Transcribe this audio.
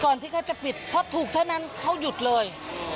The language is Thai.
ที่เขาจะปิดเพราะถูกเท่านั้นเขาหยุดเลย